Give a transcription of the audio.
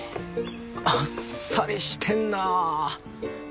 あっさりしてんなあ。